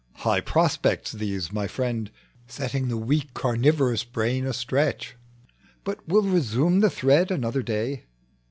"High prospects, these my friend, Setting the weak carnivorous brain astretch ; We will resume the thread another day."